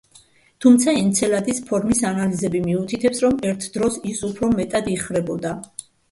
თუმცა, ენცელადის ფორმის ანალიზები მიუთითებს, რომ ერთ დროს ის უფრო მეტად იხრებოდა.